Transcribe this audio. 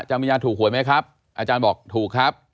มียาถูกหวยไหมครับอาจารย์บอกถูกครับ